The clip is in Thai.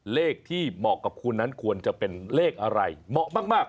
เลขที่เหมาะกับคุณนั้นควรจะเป็นเลขอะไรเหมาะมาก